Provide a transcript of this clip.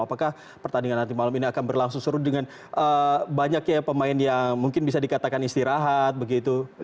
apakah pertandingan nanti malam ini akan berlangsung seru dengan banyaknya pemain yang mungkin bisa dikatakan istirahat begitu